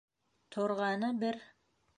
—Торғаны бер